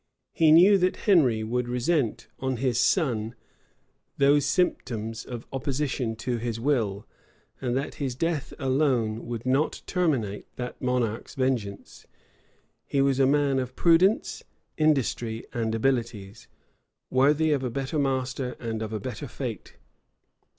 He knew that Henry would resent on his son those symptoms of opposition to his will, and that his death alone would not terminate that monarch's vengeance. He was a man of prudence, industry, and abilities; worthy of a better master and of a better fate.